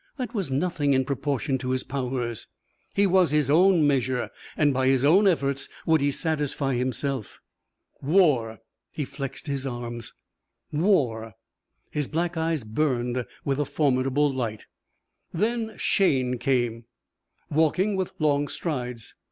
That was nothing in proportion to his powers. He was his own measure, and by his own efforts would he satisfy himself. War! He flexed his arms. War. His black eyes burned with a formidable light. Then Shayne came. Walking with long strides.